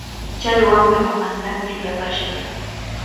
Chay wamra mamantami llullapashqa.